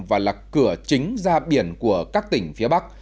và là cửa chính ra biển của các tỉnh phía bắc